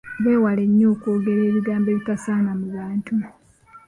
Weewaawo nnyo okwogera ebigambo ebitasaana mu bantu.